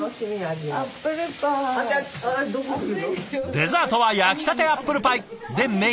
デザートは焼きたてアップルパイ！